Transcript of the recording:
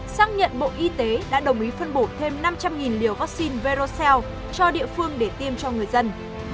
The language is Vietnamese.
xác nhận bộ y tế đã đồng ý phân bổ thêm năm trăm linh liều vaccine verocel cho địa phương để tiêm cho người dân